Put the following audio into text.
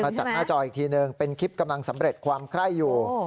จากหน้าจออีกทีหนึ่งเป็นคลิปกำลังสำเร็จความไคร้อยู่